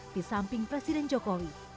di samping presiden jokowi